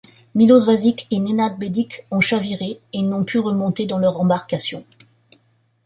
Miloš Vasić et Nenad Beđik ont chaviré et n'ont pu remonter dans leur embarcation.